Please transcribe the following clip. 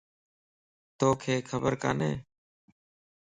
توکَ خبر کاني؟